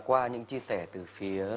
qua những chia sẻ từ phía